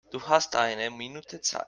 Du hast eine Minute Zeit.